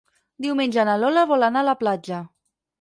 Diumenge na Lola vol anar a la platja.